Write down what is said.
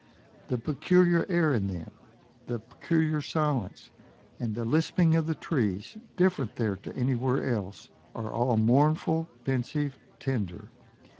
The peculiar air in them, the peculiar silence, and the lisping of the trees different there to anywhere else, are all mournful, pensive, tender.